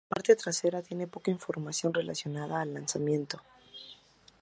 La parte trasera tiene poca información relacionada al lanzamiento.